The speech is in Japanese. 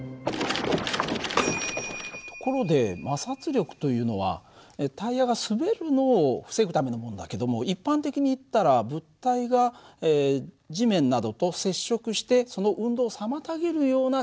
ところで摩擦力というのはタイヤが滑るのを防ぐためのものだけども一般的にいったら物体が地面などと接触してその運動を妨げるような力だったよね。